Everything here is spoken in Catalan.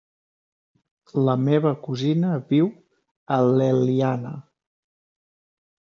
La meva cosina viu a l'Eliana.